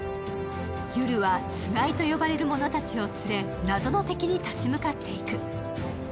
ユルはツガイと呼ばれる者たちを連れ、謎の敵に立ち向かっていく。